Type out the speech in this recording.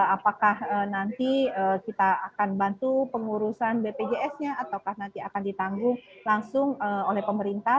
apakah nanti kita akan bantu pengurusan bpjs nya atau nanti akan ditanggung langsung oleh pemerintah